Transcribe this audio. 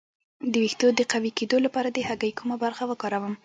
د ویښتو د قوي کیدو لپاره د هګۍ کومه برخه وکاروم؟